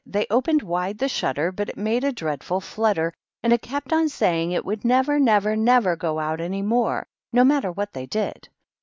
They opened wide the shutter, but it made a dreadful flutter, — and it kept on saying it would never, never, never go out any more, no matter what they did.